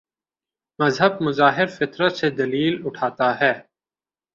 مذہب مظاہر فطرت سے دلیل اٹھاتا ہے۔